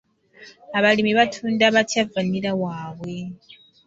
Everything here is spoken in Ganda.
Abalimi batunda batya vanilla waabwe?